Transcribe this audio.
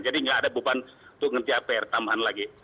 jadi gak ada beban untuk mengerjakan pr tambahan lagi